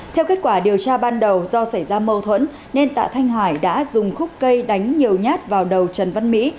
theo kết quả điều tra ban đầu do xảy ra mâu thuẫn nên tạ thanh hải đã dùng khúc cây đánh nhiều nhát vào đầu trần văn mỹ